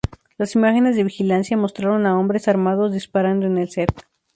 Las imágenes de vigilancia mostraron a hombres armados disparando en el set.